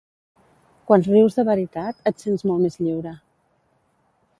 Quan rius de veritat, et sents molt més lliure.